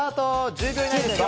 １０秒以内です。